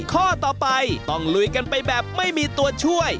ข้อต่อไปต้องลุยกันไปแบบไม่มีตัวช่วย